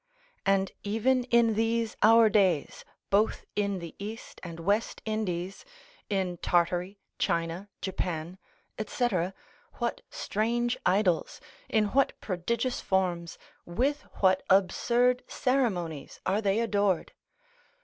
And even in these our days, both in the East and West Indies, in Tartary, China, Japan, &c., what strange idols, in what prodigious forms, with what absurd ceremonies are they adored?